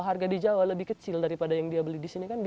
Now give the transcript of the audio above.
harga di jawa lebih kecil daripada yang dia beli di sini kan